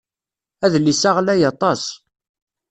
Adlis-a ɣlay aṭas.